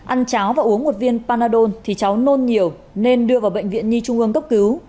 ăn cháo và uống một viên panadon thì cháu nôn nhiều nên đưa vào bệnh viện nhi trung ương cấp cứu